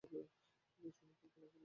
তারা সময়কে গালাগাল করে।